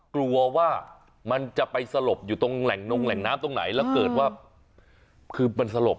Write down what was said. กลัวว่ามันจะไปสลบอยู่ตรงแหล่งนงแหล่งน้ำตรงไหนแล้วเกิดว่าคือมันสลบ